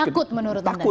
takut menurut anda